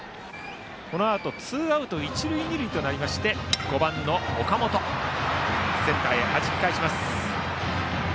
このあとツーアウト、一塁二塁で５番の岡本センターへはじき返しました。